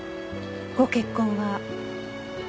ご結婚は？